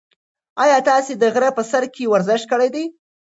ایا تاسي د غره په سر کې ورزش کړی دی؟